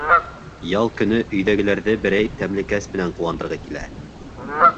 Ял көнө өйҙәгеләрҙе берәй тәмлекәс менән ҡыуандырғы килә.